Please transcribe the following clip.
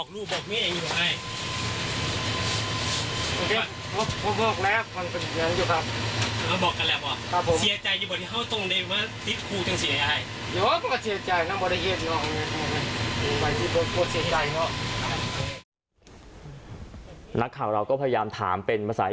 แล้วบอกกันแล้วค่ะเสียใจล่ะเหรอ